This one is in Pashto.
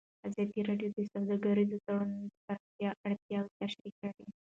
ازادي راډیو د سوداګریز تړونونه د پراختیا اړتیاوې تشریح کړي.